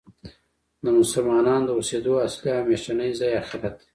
د مسلمانانو د اوسیدو اصلی او همیشنی ځای آخرت دی .